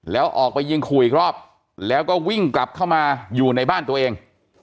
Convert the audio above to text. แล้วออกไปยิงขู่อีกรอบแล้วก็วิ่งกลับเข้ามาอยู่ในบ้านตัวเอง